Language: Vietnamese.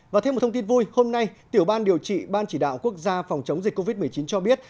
và thêm một thông tin vui hôm nay tiểu ban điều trị ban chỉ đạo quốc gia phòng chống dịch covid một mươi chín cho biết